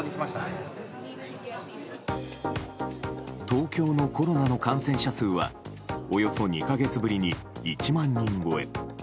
東京のコロナの感染者数はおよそ２か月ぶりに１万人超え。